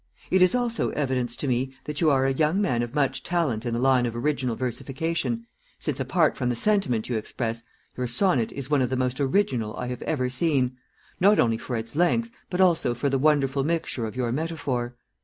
It is also evidence to me that you are a young man of much talent in the line of original versification, since, apart from the sentiment you express, your sonnet is one of the most original I have ever seen, not only for its length, but also for the wonderful mixture of your metaphor.